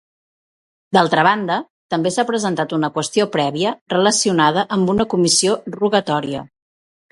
D'altra banda, també s'ha presentat una qüestió prèvia relacionada amb una comissió rogatòria.